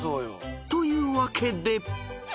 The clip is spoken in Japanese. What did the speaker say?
［というわけで］